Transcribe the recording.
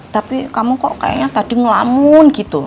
tapi kamu kok kayaknya tadi ngelamun gitu